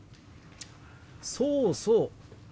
そうそう。